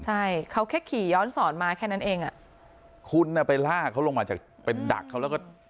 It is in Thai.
ใช่เขาแค่ขี่ย้อนสอนมาแค่นั้นเองอ่ะคุณน่ะไปลากเขาลงมาจากไปดักเขาแล้วก็